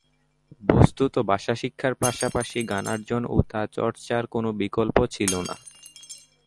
বস্তুত ভাষা শিক্ষার পাশাপাশি জ্ঞানার্জন ও তা চর্চার কোনো বিকল্প ছিল না।